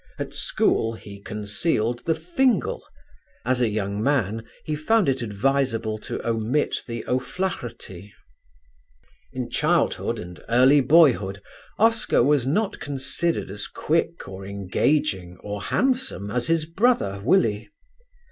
At school he concealed the "Fingal," as a young man he found it advisable to omit the "O'Flahertie." In childhood and early boyhood Oscar was not considered as quick or engaging or handsome as his brother, Willie.